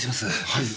はい。